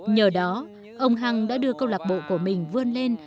nhờ đó ông hăng đã đưa cô lạc bộ của mình vươn lên